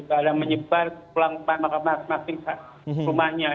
dalam menyebar pulang ke rumah masing masing ke rumahnya